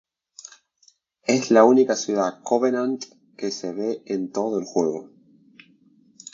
Es la única ciudad Covenant que se ve en todo el juego.